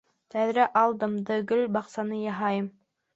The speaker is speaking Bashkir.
Тәҙрә ал-дымды гөл баҡсаһы яһайым!